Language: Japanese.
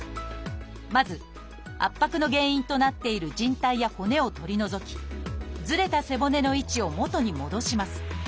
まず圧迫の原因となっているじん帯や骨を取り除きずれた背骨の位置を元に戻します。